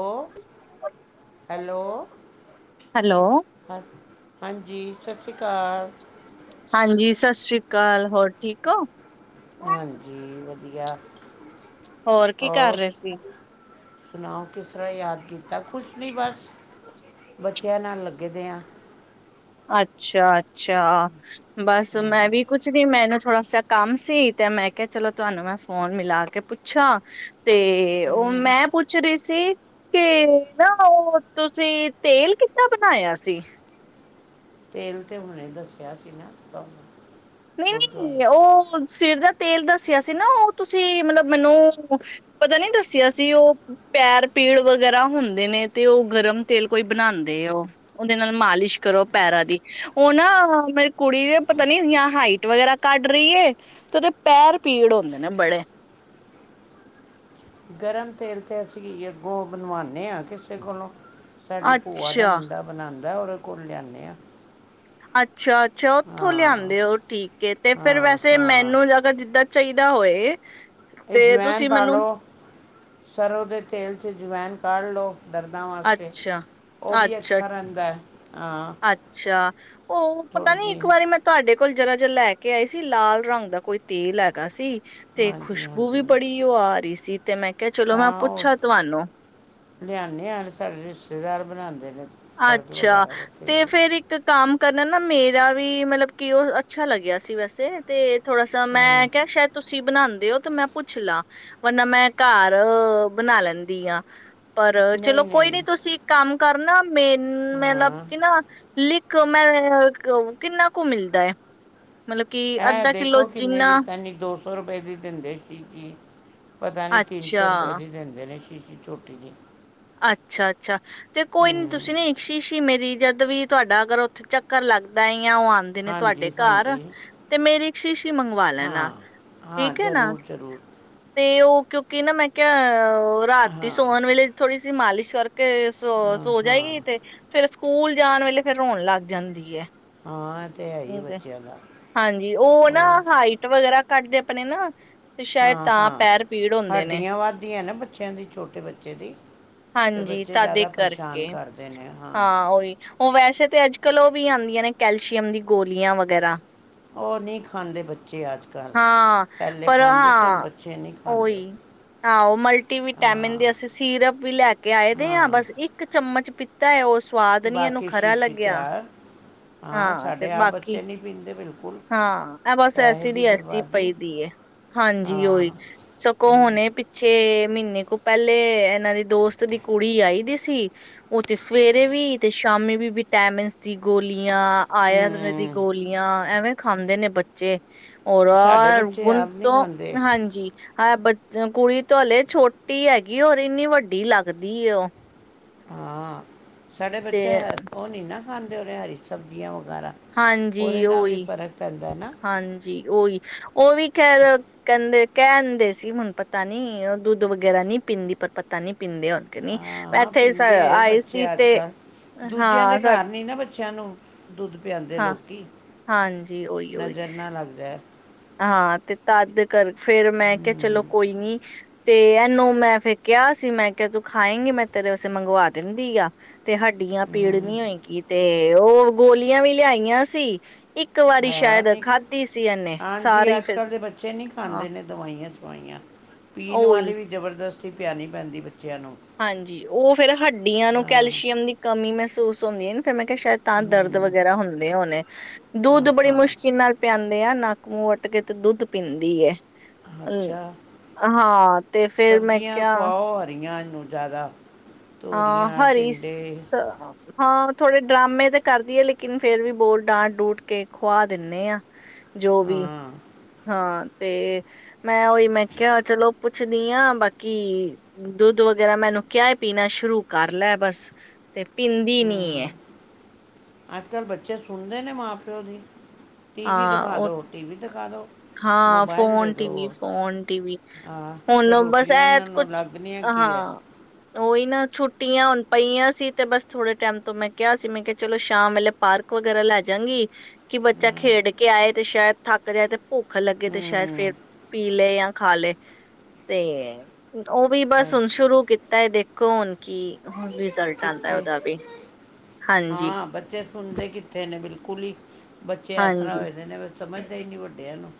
ਐ, hello hello ਹਾ ਹਾਂਜੀ ਸਤਿ ਸ਼੍ਰੀ ਅਕਾਲ ਹਾਂਜੀ, ਸਤਿ ਸ੍ਰੀ ਅਕਾਲ, ਹੋਰ ਠੀਕ ਹੋ। ਹਾਂਜੀ, ਵਧੀਆ। ਹੋਰ ਕੀ ਕਰ ਰਹੇ ਸੀ। ਸੁਣਾਓ, ਕਿਸ ਤਰ੍ਹਾਂ ਯਾਦ ਕੀਤਾ ਕੁਛ ਨਿ ਬਸ, ਬੱਚਿਆਂ ਨਾਲ ਲੱਗੇ ਦੇਆ। ਅੱਛਾ ਅੱ ਅੱਛਾ, ਬਸ ਮੈਂ ਵੀ ਕੁਛ ਨੀ ਮੈਨੂੰ ਥੋੜਾ ਸਾ, ਕੰਮ ਸੀ ਤੇ ਮੈਂ ਕਿਹਾ ਚਲੋ ਤੁਹਾਨੂੰ ਮੈਂ ਫੋਨ ਮਿਲਾ ਕੇ ਪੁੱਛਾਂ ਤੇ ਉਹ ਹਮ ਮੈਂ ਪੁੱਛ ਰਹੀ ਸੀ ਕਿ ਨਾ ਉਹ ਤੁਸੀਂ ਤੇਲ ਕਿੱਦਾਂ ਬਣਾਇਆ ਸੀ? ਤੇਲ ਤੇ ਹੁਣੇ ਦੱਸਿਆ ਸੀ ਨਾ, ਤੁਹਾਨੂੰ। ਨਹੀਂ-ਨਹੀਂ, ਗੁਰਦੁਆਰੇ ਉਹ ਸਿਰ ਦਾ ਤੇਲ ਦੱਸ ਦੱਸਿਆ ਸੀ, ਨਾ ਉਹ ਤੁਸੀਂ ਮਤਲਬ ਮੈਨੂੰ ਪਤਾ ਨੀ, ਦੱਸਿਆ ਸੀ ਉਹ ਪੈਰ ਪੀੜ ਵਗੈਰਾ ਹੁੰਦੇ ਨੇ, ਤੇ ਉਹ ਗਰਮ ਤੇਲ ਕੋਈ ਬਣਾਉਂਦੇ, ਉਹ ਉਹਦੇ ਨਾਲ ਮਾਲਿਸ਼ ਕਰੋ ਪੈਰਾਂ ਦੀ ਉਹ ਨਾ ਮੇਰੀ ਕੁੜੀ ਦੇ ਪਤਾ ਨੀਆਂ ਹਾਈਟ ਵਗੈਰਾ ਕੱਢ ਰਹੀ ਹੈ, ਤੇ ਉਹਦੇ ਪੈਰ ਪੀੜ ਹੁੰਦੇ ਨੇ ਬੜੇ। ਗਰਮ ਤੇਲ ਤੇ ਅਸੀਂ ਗੋ ਬਣਵਾਨੇ ਹਾਂ ਕਿਸੇ ਕੋਲੋਂ। ਸਾਡੀ ਭੂਆ ਦਾ ਅੱਛਾ ਮੁੰਡਾ ਬਣਾਨਂਦਾ। ਉਹਦੇ ਕੋਲ ਲਿਆਦੇ ਹਾਂ। ਅੱਛਾ। ਅੱਛਾ, ਉੱਥੋਂ ਹਾਂ ਲਿਆਦੇ ਉਹ ਠੀਕ ਹੈ ਤੇ ਫੇਿਰ ਹਾਂ ਵੈਸੇ ਹਾਂ ਮੈਨੂੰ ਅਗਰ ਜਿੱਦਾਂ ਚਾਹੀਦਾ ਹੋਏ ਇਹ ਤੇ ਜਵਇਨ ਤੁਸੀਂ ਪਾਾਲ ਮੈਨੂੰ ਲਓ, ਸਰ੍ਹੋਂ ਦੇ ਤੇਲ 'ਚ ਜਵਾਵਇਨ ਕੜ੍ਹ ਲੋ। ਅੱਛਾ ਰਹਿੰਦਾ ਹੈ ਹਾਂ ਅੱਛਾ-ਅੱਛਾ-ਅੱਛਾ ਉਹ ਪਤਾ ਥੋੜ੍ਹੀ ਨੀ ਇੱਕ ਜਿਹੀ ਵਾਰੀ ਮੈਂ ਤੁਹਾਡੇ ਕਲ ਜਰਾ ਜ ਲੈ ਕੇ ਆਈ ਸੀ ਲਾਲ ਰੰਗ ਦਾ ਕੋਈ ਤੇਲ ਹੈਗਾ ਸੀ। ਤੇ ਹਾਂਜੀ ਖੁਸ਼ਬੂ ਵੀ ਹਾਂਜੀ ਬੜੀ ਉਹ ਆ ਰਹੀ ਸੀ। ਤੇ ਮੈਂ ਕਿਹਾ, ਚਲੋ ਮੈਂ ਪੁੱਛਾਂ ਤੁਹਾਨੂੰ? ਲਿਆਣੇ ਆ, ਸਾਡੇ ਰਿਸ਼ਤੇਦਾਰ ਬਣਾਉਂਦੇ ਨੇ। ਦਰਦ ਅੱਛਾ, ਵਗੈਰਾ ਦਾ ਤੇ ਤੇਲ ਫੇਰ ਇੱਕ ਕੰਮ ਕਰਨਾ ਨਾ ਮੇਰਾ ਵੀ ਮਤਲਬ ਕਿ ਉਹ ਅੱਛਾ ਲੱਗਿਆ ਸੀ ਵੈਸੇ ਤੇ ਥੋੜਾ ਸ ਹਾਂ ਮੈਂ ਕਿਹਾ ਸ਼ਾਇਦ ਤੁਸੀਂ ਬਣਾਉਂਦੇ ਹੋ, ਤੇ ਮੈਂ ਪੁੱਛ ਲਾ। ਵਰਨਾ ਮੈਂ ਘਰ ਬਣਾ ਲੈਂਦੀ ਆ। ਪਰ ਚਲੋ, ਕੋਈ ਨਹੀਂ ਤੁਸੀਂ ਇਕ ਕੰਮ ਕਰਨਾ ਮੈਨੂੰ ਮੈਂ ਮਤਲਬ ਹਾਂ ਕੇ ਨਾ [unintelligible] ਮੈਂ ਕਿੰਨਾ ਕੁ ਮਿਲਦਾ ਹੈ? ਮਤਲਬ ਕਿ ਅੱਧਾ ਕਿੱਲੋ ਜਿੰਨਾ। ਦੋ ਸੋ ਰੁਪਏ ਦੀ ਦਿੰਦੇ ਸੀਗੀ। ਪਤਾ ਨੀ ਤਿੰਨ ਅੱਛਾ, ਸੌ ਰੁਪਏ ਦੀ ਦਿੰਦੇ ਨੇ। ਸੀਸੀ ਛੋਟੀ ਜੀ ਅੱਛਾ-ਅੱਛਾ ਤੇ ਕੋਈ ਨੀ ਹੂੰ ਤੁਸੀਂ ਨਾ ਸ਼ੀਸ਼ੀ ਮੇਰੀ ਜਦ ਵੀ, ਤੁਹਾਡਾ ਅਗਰ ਉੱਥੇ ਚੱਕਰ ਲੱਗਦਾ ਏ। ਉਹ ਆਉਂਦੇ ਨੇ ਤੁਹਾਡੇ ਹਾਂਜੀ ਘਰ ਹਾਂਜੀ ਤੇ ਮੇਰੀ ਇਕ ਸ਼ੀਸ਼ੀ ਮੰਗਵਾ ਹਾਂ ਲੈਣਾ ਹਾਂ ਠੀਕ ਹੈ ਨਾ, ਜ਼ਰੂਰ ਜ਼ਰੂਰ ਤੇ ਉਹ ਕਿਉਂਕਿ ਕਿ ਨਾ ਮੈਂ ਕਿਹਾ ਉਹ ਰਾਤੀ ਹਾਂ ਸੋਣ ਵੇਲੇ ਤੁਸੀ ਮਾਲਿਸ਼ ਕਰ ਤੇ ਹਾਂ ਸੋ-ਸੋ ਹਾਂ ਜਾਏਗੀ, ਤੇ ਫੇਿਰ ਸਕੂਲ ਜਾਣ ਵੇਲੇ ਫੇਰ ਰੋਣ ਲੱਗ ਜਾਂਦੀ ਏ। ਹਾਂ ਇਹ ਤੇ ਹੈ ਹੀ ਬੱਚਿਆਂ ਦਾ ਹਾਂਜੀ, ਉਹ ਨਾ ਹੋਰ ਹਾਈਟ ਵਗੈਰਾ ਕੱਦਦੇ ਆਪਣੇ ਨਾ ਤੇ ਸ਼ਾਇਦ ਹਾਂ ਤਾਂ ਹਾਂ ਪੈਰ ਪੀੜ ਹੁੰਦੇ ਨੇ। ਹੱਡੀਆਂ ਵੱਧਦੀਆਂ ਨਾ ਬੱਚਿਆਂ, ਦੀ ਛੋਟੇ ਬੱਚੇ ਦੀ। ਤੇ ਹਾਂਜੀ, ਬੱਚੇ ਤਦੇ ਜ਼ਿਆਦਾ ਪਰੇਸ਼ਾਨ ਕਰਕੇ ਕਰਦੇ ਨੇ ਹਾਂ ਉਹੀ ਉਹ ਵੈਸੇ ਫਿਰ ਤੇ ਅੱਜਕਲ ਉਹ ਵੀ ਆਉਂਦੀਆਂ ਨੇ ਕੈਲਸ਼ੀਅਮ ਦੀ ਗੋਲੀਆਂ ਵਗੈਰਾ ਉਹ ਨੀ ਖਦੇ ਬੱਚੇ ਅਜ-ਕੱਲ ਹਾਂ ਪਹਲੇ ਪਰ ਖਾਂਦੇ ਸੀ ਹੁਣ ਹਾਂ ਬੱਚੇ ਨੀ ਖਦੇ ਉਹੀ ਆਹੋ ਮਲਟੀ ਵਿਟਾਮਿਨ ਹਾਂ। ਦੇ ਅਸੀਂ ਸੀਰਪ ਵੀ ਲੈ ਕੇ ਆਏ ਦੇ ਆਾਂ ਹਾਂ ਬਸ ਇੱਕ ਚਮ ਚਮਚ ਪੀਤਾ ਹੈ ਉਸ ਸਵਾਦ ਨੀ, ਇਹਨੂੰ ਬਾਕੀ ਖਰਾ ਸ਼ੀਸ਼ੀ ਲੱਗਿਆ। ਤਿਆਰ ਹਾਂ, ਤੇ ਸਾਡੇ ਆਪ ਬਾਕੀ ਬੱਚੇ ਨਹੀਂ ਪੀਂਦੇ। ਦੇ ਵੇਲ ਹਾਂ, ਇਹ ਬਸ ਐਸੀ ਦੀ ਐਸੀ ਪਈ ਦੀ ਹਾਂਜੀ ਹਾਂ ਉਓਹੀ ਸਗੋਂ ਹੁਣੇ ਪਿੱਛੇ ਮਹੀਨੇ ਕੋਲ ਪਹਿਲੇ ਇਹਨਾਂ ਦੀ ਦੋਸਤ ਦੀ ਕੁੜੀ ਆਈ ਦੀ ਸੀ, ਉਹ ਤੇ ਸਵੇਰੇ ਵੀ ਤੇ ਸ਼ਾਮੀ ਵੀ ਵਿਟੈਾਮਿਨ ਦੀ ਗੋਲੀ ਯਾ ਆਯੁਰਵੇਦ ਦੀ ਹਮ, ਗੋਲੀਆਂ ਐਵੇਂ ਖਾਂਦੇ ਨੇ ਬੱਚੇ। ਹੋ ਸਾਡੇ ਬੱਚੇ ਗੁਣ ਆਪ ਨਹੀਂ ਤੋਂ ਖਾਂਦੇ ਹਾਂਜੀ ਹਾਂ ਕੁੜੀ ਤੋਂ ਹਲੇ ਛੋਟੀ ਹੈਗੀ ਔਰ ਇੰਨੀ ਵੱਡੀ ਲੱਗਦੀ ਹੈ ਉਹ। ਹੂੰ। ਸਾਡੇ ਤੇ ਬੱਚੇ ਹੈ ਉਹ ਨੀ ਨਾ। ਖਾਂਦੇ ਹੋਣੇ, ਹਰੀ ਸਬਜ਼ੀਆਂ ਹਾਂਜੀ ਚੈਰੇ ਨਾਲ ਵੀ ਉਹੀ ਫ਼ਰਕ ਪੈਂਦਾ ਹੈ ਨਾ ਹਾਂਜੀ, ਉਹੀ ਉਹ ਵੀ ਖੈਰ ਕਹ ਕਹਿੰਦੇ ਸੀ, ਹੁਣ ਪਤਾ ਨੀ ਉਹ ਦੁੱਧ ਵਗੈਰਾ ਨਹੀਂ ਪੀਂਦੀ ਪਰ ਪਤਾ ਨੀ ਪੀਂਦੇ ਹੁਣ ਤੇ ਨਹੀ। ਹਾਂ ਹਾਂ ਇੱਥੇ ਪੀਂਦੇ ਹੈ ਆਏ ਬੱਚੇ ਸੀ ਅੱਜ ਕੱਲ੍ਹ ਦੂਜਿਆਂ ਹਾਂ ਦੇ ਸਾ ਘਰ ਨੀ ਨਾ ਬੱਚਿਆਂ ਨੂੰ ਦੁੱਧ ਪਿਆਂਦੇ ਹਾਂ ਲੋਕੀ ਹਾਂਜੀ ਉਹੀ ਉਹੀ ਨਜ਼ਰ ਨਾ ਲੱਗ ਜਾਏ ਹਾਂ ਤੇ ਤਦ ਕਰ ਫਿਰ ਮੈਂ ਕਿਹਾ ਚਲੋ ਹੂੰ ਕੋਈ ਨੀ ਤੇ ਇਹਨੂੰ ਮੈਂ ਫਿਰ ਕਿਹਾ ਸੀ ਮੈਂ ਕਿਹਾ ਤੂੰ ਖਾਏਂਗੀ ਮੈਂ ਤੇਰੇ ਵਸੇ ਮੰਗਵਾ ਦਿੰਦੀ ਆ ਤੇ ਹੱਡੀਆਂ ਪੀੜ ਹੂੰ ਨੀ ਹੋਏਗੀ ਤੇ ਉਹ ਗੋਲੀਆਂ ਵੀ ਲਿਆਈਆਂ ਸੀ ਇੱਕ ਵਾਰੀ ਸ਼ਾਇਦ ਖਾਧੀ ਸੀ ਇਹਨੇ ਜੀ ਸਾਰੀ ਅੱਜ ਫਿਰ ਕੱਲ੍ਹ ਦੇ ਬੱਚੇ ਨਹੀਂ ਹਾਂ ਖਾਂਦੇ ਨੇ ਦਵਾਈਆ ਦੀਆਂ ਦਵਾਈਆਂ ਪੀਣ ਉਹੀ ਵਾਲੇ ਵੀ ਜਬਰਦਸ਼ਤ ਪਿਆ ਨੀ ਪੈਂਦੀ ਬੱਚੀ ਹਾਂਜੀ ਉਹ ਫਿਰ ਹੱਡੀਆਂ ਨੂੰ ਹਾਂ ਕੈਲਸ਼ੀਅਮ ਦੀ ਕਮੀ ਮਹਸ ਮਹਿਸੂਸ ਹੁੰਦੀ ਏ ਨਾ ਫਿਰ ਮੈਂ ਕਿਹਾ ਸ਼ਾਇਦ ਤਾਂ ਦਰਦ ਹੂੰ ਵਗੈਰਾ ਹੁੰਦੇ ਹੋਣੇ ਹਾਂ ਦੁੱਧ ਬੜੀ ਹਾਂ ਮੁਸ਼ਕਿਲ ਨਾਲ ਪਿਆਂਦੇ ਆ ਨਾ ਮੂੰਹ ਅੱਡ ਕੇ ਤੇ ਦੁੱਧ ਪੀਂਦੀ ਹੈ ਅੱਛਾ ਹਾਂ ਤੇ ਫਿਰ ਮੈਂ ਸਬਜ਼ੀਆਂ ਕਿਹਾ ਖਵਾਓ ਹਰੀਆਂ ਨੂੰ ਜ਼ਿਆਦਾ ਹਾਂ ਤੋਰੀਆਂ ਹਰੀ ਟਿੰਡੇ ਸ ਥੋੜੇ ਡਰਾਮੇ ਤੇ ਕਰਦੀ ਹੈ। ਲੇਕਿਨ ਫੇਰ ਵੀ ਬੋਲ ਡਾਂਟ ਡੂਟ ਕੇ ਖੁਆ ਦਿੰਨੇ ਆ ਜੋ ਵੀ ਹਾਂ ਹਾਂ ਤੇ ਮੈਂ ਉਹੀ ਮੈਂ ਕਿਹਾ ਚਲੋ ਪੁੱਛਦੀ ਹਾਂ ਬਾਕੀ ਦੁੱਧ ਵਗੈਰਾ ਮੈਨੂੰ ਕਿਆ ਪੀਣਾ ਸ਼ੁਰੂ ਕਰ ਲੈ ਬਸ ਤੇ ਪੀਂਦੀ ਨੀ ਹਮ ਐ- ਅੱਜ ਕੱਲ੍ਹ ਬੱਚੇ ਸੁਣਦੇ ਨੇ ਮਾਂ ਪਿਓ ਦੀ ਟੀਵੀ ਹਾਂ ਦਿਖਾ ਉਹ ਦਿਓ ਟੀਵੀ ਦਿਖਾ ਦਿਓ ਹਾਂ ਮੋਬਾਈਲ ਦੇ ਫੋਨ ਟੀ ਵੀ, ਦਿਓ ਫੋਨ ਟੀ ਵੀ ਹਾਂ ਤੇ ਹੁਣ ਬਸ ਰੋਟੀਆਂ ਐ ਇਹਨਾਂ ਨੂੰ ਕੁਛ ਲੱਗਦੀਆਂ ਕੀ ਹੈ ਹਾਂ, ਉਹੀ ਨਾ ਛੁ ਛੁੱਟੀਆਂ ਹੁਣ ਪਈਆਂ ਸੀ ਤੇ ਬਸ ਥੋੜੇ ਟਾਈਮ ਤੋਂ ਮੈਂ ਕਿਹਾ ਸੀ ਮੈਂ ਕਿਹਾ ਚਲੋ ਸ਼ਾਮ ਵੇਲੇ ਪਾਰਕ ਵਗੈਰਾ ਲੈ ਜਾਗੀ ਕਿ ਬੱਚ ਬਚਾ ਹਾਂ, ਖੇਡ ਕੇ ਆਏ ਤੇ ਸ਼ਾਇਦ ਥੱਕ ਜਾ ਤੇ ਭੁੱਖ ਲੱਗੇ ਤੇ ਸ਼ਾਇਦ ਫੇਰ ਹਮ ਪੀ ਲਏ, ਯਾ ਖਾ ਲੈ ਤੇ ਉਹ ਵੀ ਬਸ ਹੁਣ ਸ਼ੁਰੂ ਕੀਤਾ ਦੇਖ ਕੋਣ ਕਿਥੇ ਹਾਂਜੀ ਹਾਂ ਬੱਚੇ ਸੁਣਦੇ ਕਿੱਥੇ ਨੇ ਬਿਲਕੁਲ ਹੀ ਬੱਚੇ ਇਸ ਤਰ੍ਹਾਂ ਹਾਂਜੀ ਹੋਏ ਦੇ ਨੇ ਸਮਝਦਾ ਹੀ ਨਹੀਂ ਵੱਡਿਆਂ ਨੂੰ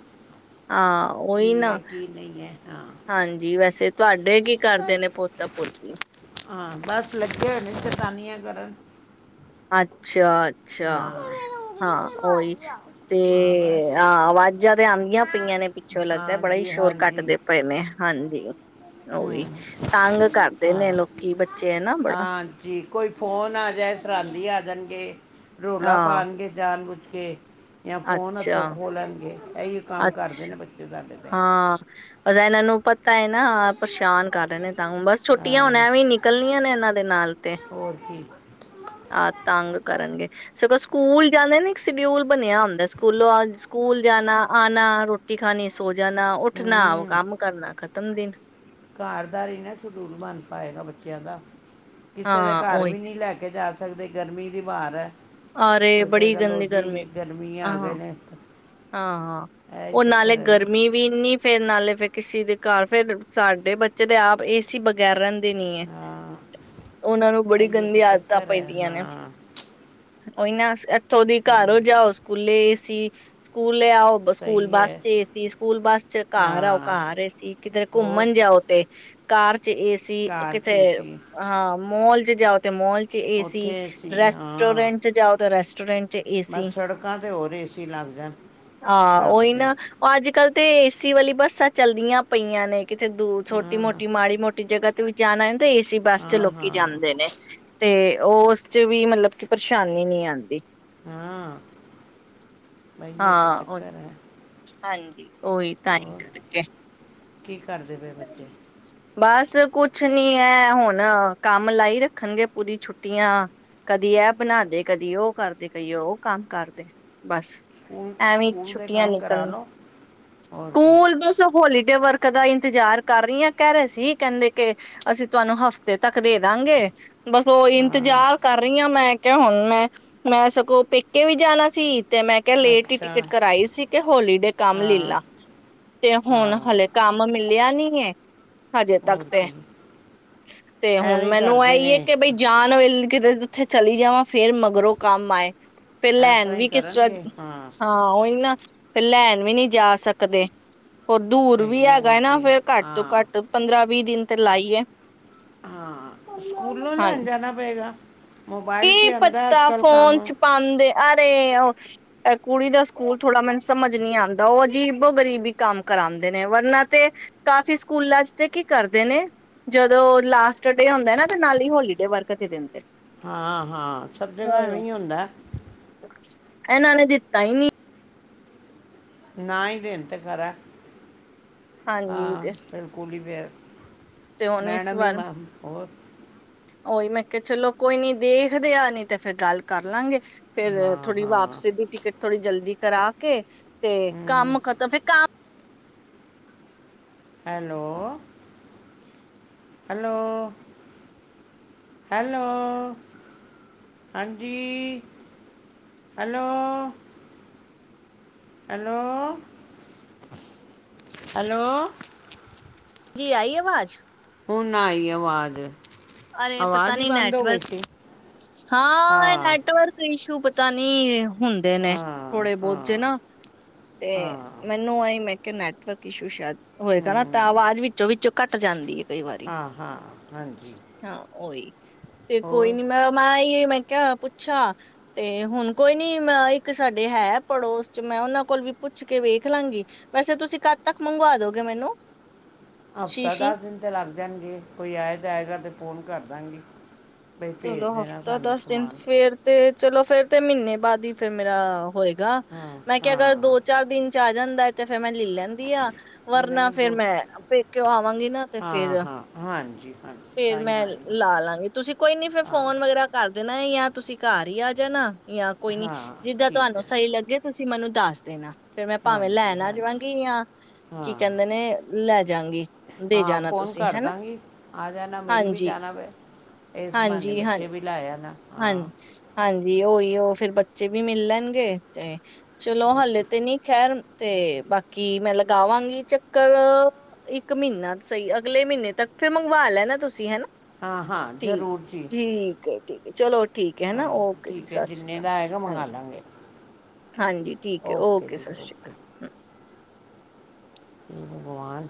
ਹਾਂ, ਉਹੀ ਕੀ ਹੈ ਨਾ ਕੀ ਨਹੀਂ ਹੈ ਹਾਂ ਹਾਂਜੀ ਵੈਸੇ ਤੁਹਾਡੇ ਤੁਹਾਡੇ ਕੀ ਕਰਦੇ ਨੇ ਪੋਤਾ, ਪੋਤੀ ਹਾਂ, ਬਸ ਲੱਗੇ ਹੋਣੇ ਨੇ ਸੈ਼ਤਾਨੀਆਂ ਕਰਨ ਅੱਛਾ ਅੱਛਾ ਹਾਂ ਹਾਂ, ਉਹੀ ਤੇ ਹਾਂ ਬਸ ਆ ਆਵਾਜ਼ਾਂ ਤੇ ਆਉਂਦੀਆਂ ਪਈਆਂ ਨੇ ਪਿੱਛੋਂ ਲੱਗਦਾ ਬੜਾ ਹੀ ਹਾਂਜੀ ਸ਼ੋਰ ਹਾਂਜੀ ਕੱਟਦੇ ਪਏ, ਨੇ ਹਾਂਜੀ ਹੂੰ ਓਹੀ ਤੰਗ ਕਰਦੇ ਨੇ ਹਾਂ ਲੋਕੀ ਬੱਚੇ ਨਾ ਬੜਾ ਫ਼ੋਨ ਆ ਜਾਏ, ਸਰਾਂਦੀ ਆ ਜਾਣਗੇ ਰੋਲਾ ਹਾਂ ਪਾਉਣਗੇ ਜਾਨ ਬਜ ਕੇ ਜਾਂ, ਫੋਨ ਹੱਥੋਂ ਅੱਛਾ-ਅੱਛਾ ਖੋਲ ਲੈਣਗੇ ਇਹੳ, ਕੰਮ ਕਰਦੇ ਨੇ ਬੱਚੇ ਤਾਂ ਹਾਂ ਇਹ ਨੂੰ ਪਤਾ ਹੈ ਨਾ ਪਰੇਸ਼ਾਨ ਕਰ ਰਹੇ ਨੇ ਤੰਗ, ਬਸ ਛੁੱਟੀਆਂ ਹੁਣ ਹਾਂ ਐ ਵੀ ਨਿਕਲਣੀਆਂ ਨੇ ਇਹਨਾਂ ਤੇ ਨਾਲ ਤੇ, ਹੋਰ ਕੀ ਆਹ ਤੰਗ ਕਰਨਗੇ ਸਗੋਂ ਸ ਸਕੂਲ ਜਾਂਦੇ ਨੇ ਇੱਕ ਸ਼ਡਿਊਲ ਬਣਿਆ ਹੁੰਦਾ, ਸਕੂਲੋਂ ਆ, ਸਕੂਲ ਜਾਣਾ, ਆਉਣਾ ਰੋਟੀ ਖਾਣੀ ਸੋ ਜਾਣਾ ਉੱਠਣਾ ਕੰਮ ਕਰਨਾ ਖ ਤਮ ਦਿਨ ਘਰ ਦਾ ਹੀ ਨੀ ਸ਼ੈਡਿਊਲ ਬਨ ਪਾਏਗਾ, ਬੱਚਿਆਂ ਦਾ ਕਿਸੇ ਦੇ ਹਾਂ ਘਰ ਉਹੀ ਵੀ ਨੀ ਲੈ ਕੇ ਜਾ ਸਕਦੇ ਗਰਮੀ ਦੀ ਵਾਰ ਹੈ ਆਰੇ, ਕੋਈ ਬੜੀ ਕਹੇਗਾ ਲੋ ਗੰਦੀ ਗਰਮੀ ਜੀ ਗਰਮੀ ਆ ਹਾਂ ਗਏ ਨੇ ਹਾਂ ਹਾਂ, ਇਹ ਹੀ ਉਹ ਨਾਲੇ ਚੱਕਰ ਹੈ ਨਾ ਗਰਮੀ ਵੀ ਇਨੀ ਫੇਰ ਨਾਲੇ ਫੇਰ ਕਿਸੀ ਦੇ ਘਰ ਫੇਰ, ਸਾਡੇ ਬੱਚੇ ਦੇ ਆਪ ਏ ਸੀ ਬਗੈਰ ਰਹਿੰਦ ਦੇ ਨੀ ਹੈ, ਹਾਂ ਉਹਨਾਂ ਨੂੰ ਬੜੀ ਆਈਏ ਗੰਦੀ ਤਾਂ ਆਦਤਾਂ ਚੱਕਰ ਹੈ ਪੈਂਦੀਆਂ ਨੇ ਹਾਂ ਉਹੀਨਾਂ [inaudible] ਥੋਂਦੀ ਘਰ ਹੂੰ ਹੋ ਜਾਓ, ਸਕੂਲੇ ਏਸੀ ਸਕੂਲ ਸਕੂਲੇ ਆਓ ਸਕੂਲ ਸਹੀ ਬੱਸ ਹੈ ਚ ਏ ਸੀ, ਸਕੂਲ ਬੱਸ ਚ ਘਰ ਆਓ, ਹਾਂ ਘਰ ਏ ਸੀ, ਕਿਤੇ ਹੋਰ ਘੁੰਮਣ ਜਾਓ ਤੇ, ਕਾਰ ਚ ਏ ਸੀ ਕਾਰ 'ਚ ਕਿਤੇ ਏ ਸੀ ਹਾਂ ਮੋਲ ਚ ਜਾਓ, ਤੇ ਮੋਲ ਚ, ਏ ਉੱਥੇ ਸੀ ਏ ਸੀ ਰੈਸਟ ਹਾਂ ਰੈਸੋਰੈਂਟ ਜਾਓ ਤਾਂ ਰੈਸ ਟੋਰੈਂਟ ਬਸ ਸੜਕਾਂ ਤੇ ਹੋਰ ਏਸੀ ਲੱਗ ਜਾਣ, ਹਾਂ ਰੱਬ ਉਹੀ ਦੇ ਨਾ ਉਹ ਅੱਜ ਕੱਲ੍ਹ ਤੇ, ਏਸੀ ਵਾਲੀ ਬੱਸਾਂ ਚਲਦੀਆਂ ਪਈਆਂ ਨੇ ਕਿਤੇ ਦੂਰ, ਛੋਟੀ ਹਾਂ ਮੋਟੀ ਮਾੜੀ ਮੋਟੀ ਜਗ੍ਹਾ ਵੀ ਜਾਣਾ ਤੇ, ਏ ਸੀ ਬੱਸ ਚ ਹਾਂ ਲੋਕੀ ਹਾਂ ਜਾਂਦੇ ਨੇ ਤੇ ਉਹ ਉਸ ਚ ਵੀ ਮਤਲਬ ਕਿ ਪਰੇਸ਼ਾਨੀ ਨਹੀ ਆਂਦੀ ਹਾਂ ਬਈ ਇਹ ਤਾਂ ਹਾਂਹੀ ਚੱਕਰ ਹੈ ਹਾਂਜੀ ਉ ਓਹੀ ਤਾਂ ਹੀ ਹੋਰ ਕਰਕੇ ਕੀ ਕਰਦੇ ਪਏ ਬੱਚੇ ਬਸ ਕੁਛ ਕੁਛ ਨੀ ਹੈ, ਹੁਣ ਕੰਮ ਲਾਈ ਰੱਖਣਗੇ ਪੂਰੀ ਛੁੱਟੀਆਂ ਕਦੀ ਇਹ ਬਣਾਦੇ ਕਦੀ ਉਹ ਕਰਦੇ ਕਦੀ ਉਹ ਕੰਮ ਕਰਦੇ ਬਸ ਸਕੂਲ ਐਵੇਂ ਸਕੂਲ ਦੇ ਛੁੱਟੀਆਂ ਕੰਮ ਕਰਾ ਨਿਕਲਣੀ ਲਓ ਹੋਰ ਕੀ ਸਕੂਲ ਬਸ ਹੋਲੀਡੇ ਵਰਕ ਦਾ ਇੰਤਜ਼ਾਰ ਕਰ ਰਹੀ ਹਾਂ ਕਹਿ ਰਹੇ ਸੀ ਕਹਿੰਦੇ ਕਿ ਅਸੀਂ ਤੁਹਾਨੂੰ ਹਫ਼ਤੇ ਤੱਕ ਦੇ ਦਾਂਗੇ ਬਸ ਉਹ ਹਾਂ ਇੰਤਜ਼ਾਰ ਕਰ ਰਹੀ ਹ ਮੈਂ ਹੁਣ ਮੈਂ ਮੈਂ ਸਗੋਂ ਪੇਕੇ ਵੀ ਜਾਣਾ ਸੀ। ਤੇ ਕ ਲੇਟ ਹੀ ਅੱਛਾ ਟਿਕਟ ਕਰਾਈ ਸੀ ਕਿ ਹੋਲੀਡੇ ਕੰਮ ਲੈ ਹਾਂ ਲਾ ਤੇ ਹੁਣ ਹਾਂ ਹਲੇ ਕੰਮ ਮਿਲਿਆ ਨੀ ਕੀ ਏ ਹਜੇ ਤੱਕ ਹੋਰ ਤੇ ਕੀ ਤੇ ਹੁਣ ਐਵੇਂ ਹੀ ਮੈਨੂੰ ਕਰਦੇ ਇਹੀ ਨੇ ਹੈ ਕਿ ਬਈ ਜਾਣ ਵੇ ਕਿਤੇ ਉੱਥੇ ਚਲੀ ਜਾਵਾਂ ਫੇਰ ਮਗਰੋਂ ਕੰਮ ਆਏ ਫਿਰ ਇਸ ਲੈਣ ਹੀ ਵੀ ਕਿਸ ਤਰ੍ਹਾਂ ਕਰਨਗੇ ਹਾਂ ਉਹੀ ਨਾ ਫਿਰ ਲੈਣ ਵੀ ਨਹੀਂ ਜਾ ਸਕਦੇ ਹੋਰ ਦੂਰ ਵੀ ਸਹੀ ਹੈ ਹੋਰ ਹੈਗਾ ਨਾ ਕੀ ਫਿਰ ਘੱਟ ਤੋਂ ਘੱਟ ਪੰਦਰਾਂ ਵੀਹ ਦਿਨ ਤੇ ਲਾਈਏ ਹਾਂ ਸਕੂਲੋਂ ਲੈਣ ਹਾਂਜੀ ਜਾਣਾ ਪਏਗਾ ਕੀ ਪੱਤਾ ਫੋਨ ਚ ਪਾਉਂਦੇ ਅਰੇ, ਉਹ ਕੁੜੀ ਦਾ ਸਕੂਲ ਥੋੜਾ ਮੈਨੂੰ ਸਮਝ ਨੀ ਆਉਂਦਾ ਉਹ ਅਜੀਬੋ ਗਰੀਬੀ ਕੰਮ ਕਰਾਉਂਦੇ ਨੇ ਵਰਨਾ ਤੇ ਕਾਫੀ ਸਕੂਲਾਂ ਚ ਤੇ ਕੀ ਕਰਦੇ ਨੇ ਜਦੋਂ ਲਾਸਟ ਡੇ ਹੁੰਦਾ ਨਾ ਤੇ ਨਾਲ ਹੀ ਹੋਲੀ ਡੇ ਵਰਕ ਤੇ ਦਿੰਦੇ ਹਾਂ ਹਾਂ ਸਭ ਜਗ੍ਹਾ ਹਾਂ। ਇਵੇਂ ਹੀ ਹੁੰਦਾ ਇਹਨਾਂ ਨੇ ਦਿੱਤਾ ਹੀ ਨਹੀਂ ਨਾ ਹੀ ਦੇਨ ਤੇ ਖਰਾ ਹਾਂਜੀ ਹਾਂ, ਤੇ ਬਿਲਕੁਲ ਹੀ ਫਿਰ ਤੇ ਹੁਣ ਮੈਡਮ ਹੀ ਮੈਂ ਹੋਰ ਓਹੀ ਮੈਂ ਕਿਹਾ ਚਲੋ ਕੋਈ ਨੀ ਦੇਖਦੇ ਆ ਨੀ ਤੇ ਫੇਰ ਗੱਲ ਕਰ ਲਾਂਗੇ ਫੇਰ ਹਾਂ ਥੋੜੀ ਹਾਂ ਵਾਪਸਸੀ ਦੀ ਟਿਕਟ ਥੋੜ੍ਹੀ ਜਲਦੀ ਕਰਾ ਕੇ ਤੇ ਹਮ, ਕੰਮ ਖਤਮ ਫੇਰ ਕੰਮ ਹੈਲੋ, ਹੈਲੋ ਹੈਲੋ ਹਾਂਜੀ ਹੈਲੋ ਹੈਲੋ ਹੈਲੋ ਜੀ ਆਈ ਆਵਾਜ਼ ਹੁਣ ਆਈ ਆਵਾਜ਼ ਅਰੇ, ਪਤਾ ਆਵਾਜ਼ ਹੀ ਨੀ ਬੰਦ ਹੋ ਗਈ ਨੈਟਵਰਕ ਸੀ ਹਾਂ ਇਹ ਨੈਟਵਰਕ ਕਈ [inaudible] ਪਤਾ ਨੀ ਏ। ਹੁੰਦੇ ਨੇ ਹਾਂ ਥੋੜੇ ਬਹੁਤ ਜੇ ਹਾਂ ਨਾ ਤੇ ਹਾਂ ਮੈਨੂੰ ਆਈ ਮੈਂ ਨੈਟਵਰਕ ਇਸ਼ੂ ਸ਼ਾਇਦ ਹੋਏਗਾ ਨਾ ਤਾਂ ਹਮ ਆਵਾਜ਼ ਵਿੱਚੋਂ ਵਿੱਚੋਂ ਕੱਟ ਜਾਂਦੀ ਹੈ ਕਈ ਵਾਰੀ ਹਾਂ ਹਾਂ ਹਾਂਜੀ। ਹਾਂ ਓਹੀ ਤੇ ਕੋਈ ਹੋਰ ਨੀ ਮੈਂ ਮੈਂ ਮੈਂ ਆ ਪੂਛਾ ਤੇ ਹੁਣ ਕੋਈ ਨੀ ਮੈਂ ਇੱਕ ਸਾਡੇ ਹੈ ਪੜੋਸ ਚ ਮੈਂ ਉਹਨਾਂ ਕੋਲ ਵੀ ਪੁੱਛ ਕੇ ਵੇਖ ਲਾਂਗੀ, ਵੈਸੇ ਤੁਸੀਂ ਕਦ ਤੱਕ ਮੰਗਵਾ ਦੋਗੇ ਮੈਨੂੰ ਹਫ਼ਤਾ ਸ਼ੀਸ਼ੀ ਦੱਸ ਦਿਨ ਤੇ ਲੱਗ ਜਾਣਗੇ, ਕੋਈ ਆਏ ਜਾਏਗਾ ਤੇ ਫ਼ੋਨ ਕਰ ਦਾਂਗੀ। ਬਈ ਚਲੋ ਭੇਜ ਦੇਣਾ ਹਫ਼ਤਾ ਸਾਨੂੰ ਦਸ ਦਿਨ ਸਮਾਨ ਫੇਰ ਤੇ ਚਲੋ ਫੇਰ ਤੇ ਮਹੀਨੇ ਬਾਅਦ ਹੀ ਫੇਰ ਮੇਰਾ ਹੋਏ ਗਾ ਹਾਂ ਮੈਂ ਕਿਹਾ ਅਗਰ ਹਾਂ ਦੋ ਚਾਰ ਦਿਨ ਚ ਆ ਜਾਂਦਾ ਫਿਰ ਮੈਂ ਲੈ ਲੈਂਦੀ ਆ ਵਰਨਾ, ਨਹੀਂ ਫੇਰ ਦੋ ਮੈਂ ਪੇਕਿਓ ਆਵਾਂਗੀ ਨਾ ਤੇ ਹਾਂ ਫੇਰ ਹਾਂ ਹਾਂਜੀ ਹਾਂਜੀ ਫੇਰ ਤਾਂ ਹੀ ਮੈਂ ਆਏਗਾ ਲਾ ਲਵਾਂਗੀ ਤੁਸੀਂ ਨਈ ਫਿਰ ਹਾਂ ਫੋਨ ਵਗੈਰਾ ਕਰਦੇ ਨਾ ਨਹੀਂ ਆ ਤੁਸੀਂ ਘਰ ਹੀ ਆ ਜਾਣਾ ਜਾਂ ਕੋਈ ਨੀ ਹਾਂ ਜਿੱਦਾਂ ਠੀਕ ਤੁਹਾਨੂੰ ਹੈ ਸਹੀ ਲੱਗਗੇ ਤੁਸੀਂ ਮੈਨੂੰ ਦੱਸ ਦੇਣਾ। ਫਿਰ ਮੈਂ ਭਾਵੇਂ ਹਾਂਜੀ ਲੈਣ ਆ ਹਾਂਜੀ ਜਾਵਾਂਗੀ ਜਾਂ ਕੀ ਹਾਂ ਕਹਿੰਦੇ ਨੇ ਲੈ ਜਾਂਗੀ ਦੇ ਹਾਂ ਜਾਣਾ ਫੋਨ ਤੁਸੀਂ ਕਰ ਹਨਾ ਦਾਂਗੀ ਆ ਜਾਣਾ ਮਿਲ ਵੀ ਹਾਂਜੀ ਜਾਣਾ ਵੇ ਇਸ ਬਹਾਨੇ ਹਾਂਜੀ ਹਾਂ ਬੱਚੇ ਵੀ ਲਾਇਆ ਨਾ ਹਾਂ ਹਾਂਜੀ ਹਾਂਜੀ। ਜ ਉਹੀ ਏ ਉਹ ਫੇਿਰ ਬੱਚੇ ਵੀ ਮਿਲ ਲੈਣਗੇ ਤੇ ਚਲੋ ਓਕੇ ਹਲੇੇ ਤੇ ਨੀ ਖੈਰ ਤੇ ਬਾਕੀ ਮੈਂ ਲਗਾਵਾਂਗੀ ਚੱਕਰ ਤੇ ਹਾਂ ਹਾਂ ਜ਼ਰੂਰ। ਜੀ ਠੀਕ ਹੈ ਠੀਕ ਹੈ। ਚਲੋ ਠੀਕ ਹੈ ਹਨਾ। ਹਾਂ ਓਕੇ ਜੀ। ਠੀਕ ਹੈ ਸਤਿ ਸ੍ਰੀ ਜਿੰਨੇ ਅਕਾਲ ਦਾ ਆਏਗਾ ਮੰਗਾ ਹਾਂਜੀ ਲਾਂਗੇ ਹਾਂਜੀ ਠੀਕ ਹੈ। ਓਕੇ। ਸਤਿ ਸ੍ਰੀ ਅਕਾਲ [unintelligible] ਭਗਵਾਨ